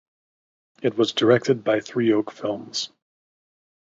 It was directed by Three Oak Films.